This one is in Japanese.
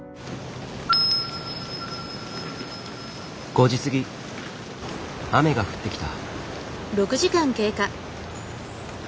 ５時過ぎ雨が降ってきた。